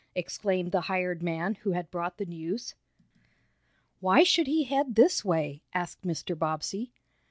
exclaimed the hired man who had brought the news. "Why should he head this way?" asked Mr. Bobbsey.